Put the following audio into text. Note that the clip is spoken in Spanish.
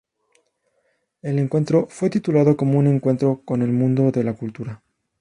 El encuentro fue titulado como Encuentro con el Mundo de la Cultura.